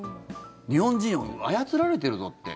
日本人、操られてるぞって。